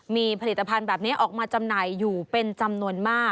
มีผลิตภัณฑ์แบบนี้ออกมาจำหน่ายอยู่เป็นจำนวนมาก